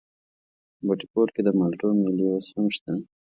بټي کوټ کې د مالټو مېلې اوس هم شته؟